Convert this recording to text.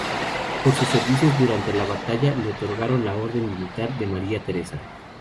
Por sus servicios durante la batalla, le otorgaron la Orden Militar de Maria Teresa.